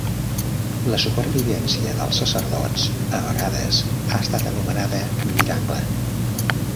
La supervivència dels sacerdots a vegades ha estat anomenada miracle.